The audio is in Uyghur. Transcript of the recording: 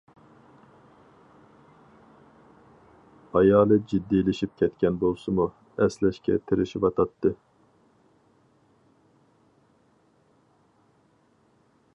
ئايالى جىددىيلىشىپ كەتكەن بولسىمۇ، ئەسلەشكە تىرىشىۋاتاتتى.